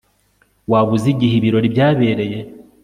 Waba uzi igihe ibirori byabereye